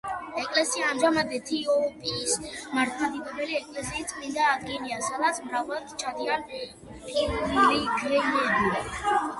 ეკლესია ამჟამად ეთიოპიის მართლმადიდებელი ეკლესიის წმინდა ადგილია, სადაც მრავლად ჩადიან პილიგრიმები.